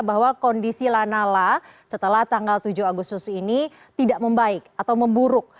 bahwa kondisi lanala setelah tanggal tujuh agustus ini tidak membaik atau memburuk